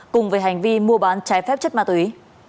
cùng về hành vi mua bán trái phép chất ma túy